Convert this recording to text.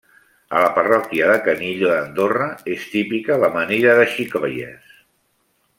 A la parròquia de Canillo d'Andorra és típica l'amanida de xicoies.